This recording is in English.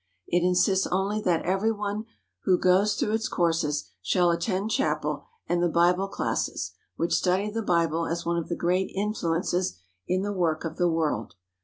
It insists only that everyone who goes through its courses shall attend chapel and the Bible classes, which study the Bible as one of the great influ ences in the work of the world.